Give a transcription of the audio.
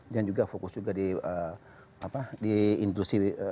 dan juga fokus juga di apa di industri empat